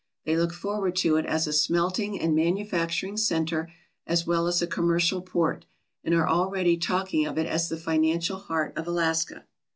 They look forward to it as a smelting and manufacturing centre as well as a commercial port, and are already talking of it as the financial heart of Alaska.